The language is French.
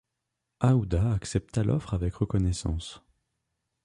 Aouda accepta l’offre avec reconnaissance.